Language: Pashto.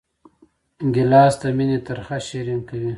ګیلاس د مینې ترخه شیرین کوي.